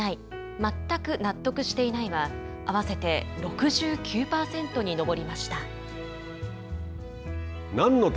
全く納得していないは合わせて６９％に上りました。